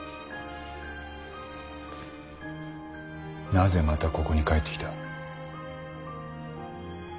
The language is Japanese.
なぜまたここに帰ってきた？